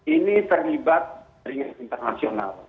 ini terlibat jaringan internasional